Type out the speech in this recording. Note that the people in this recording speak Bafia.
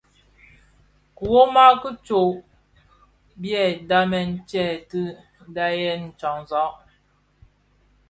Kiwoma ki tsok bi byamèn tyèn ti dhayen tyanzag.